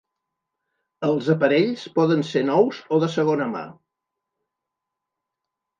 Els aparells poden ser nous o de segona mà.